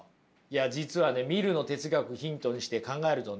実はねミルの哲学をヒントにして考えるとね